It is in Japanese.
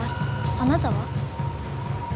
あなたは？